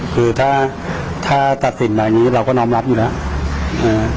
คือถ้าตัดสินแบบนี้เราก็น้อมรับอยู่แล้ว